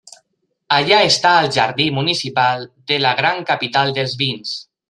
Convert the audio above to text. Allà està al jardí municipal de la gran capital dels vins.